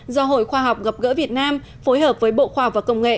do hội khoa học gặp gỡ việt nam phối hợp với bộ khoa và công nghệ